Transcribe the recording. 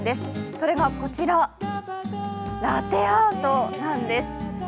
それがこちら、ラテアートなんです。